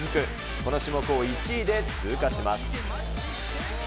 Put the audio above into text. この種目を１位で通過します。